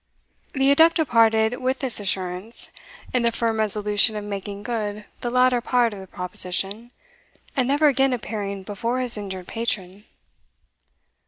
The adept departed with this assurance, in the firm resolution of making good the latter part of the proposition, and never again appearing before his injured patron.